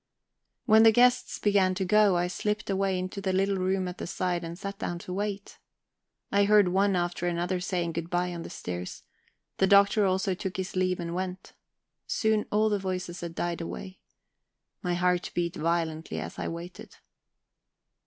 When the guests began to go, I slipped away into the little room at the side and sat down to wait. I heard one after another saying good bye on the stairs; the Doctor also took his leave and went. Soon all the voices had died away. My heart beat violently as I waited.